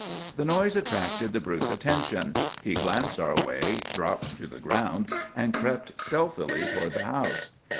"The noise attracted the brute's attention. He glanced our way, dropped to the ground, and crept stealthily toward the house.